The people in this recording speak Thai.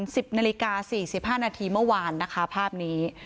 สิบนาฬิกาสี่สิบห้านาทีเมื่อวานนะคะภาพนี้